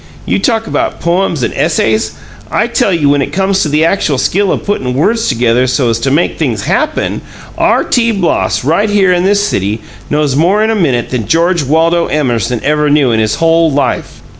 You talk about 'poems and essays.' I tell you when it comes to the actual skill o' puttin' words together so as to make things HAPPEN, R. T. Bloss, right here in this city, knows more in a minute than George Waldo Emerson ever knew in his whole life!"